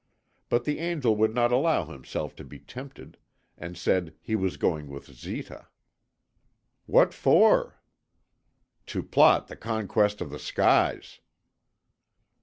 But the angel would not allow himself to be tempted, and said he was going with Zita. "What for?" "To plot the conquest of the skies."